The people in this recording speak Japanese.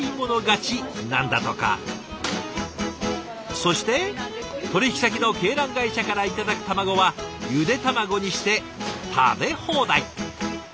そして取引先の鶏卵会社から頂く卵はゆで卵にして食べ放題。